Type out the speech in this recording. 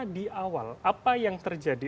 di awal apa yang terjadi